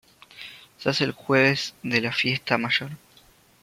Se hace el jueves de la fiesta mayor.